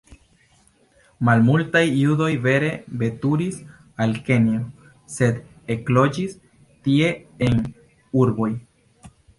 Malmultaj judoj vere veturis al Kenjo, sed ekloĝis tie en urboj.